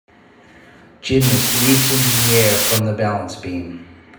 Gymnast leaps into the air from the balance beam.